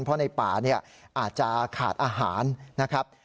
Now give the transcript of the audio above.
เพราะในป่าเนี่ยอาจจะขาดอาหารนะครับ